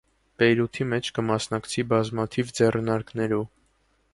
Պէյրութի մէջ, կը մասնակցի բազմաթիւ ձեռնակներու։